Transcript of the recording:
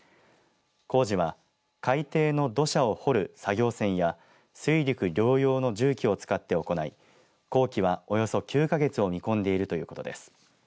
工事は、海底の土砂を掘る作業船や水陸両用の重機を使って行い工期はおよそ９か月を見込んでいるということです。